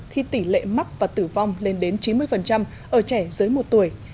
khi tỷ lệ mắc và tử vong lên đến chín mươi ở trẻ dưới một tuổi